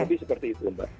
tapi seperti itu mbak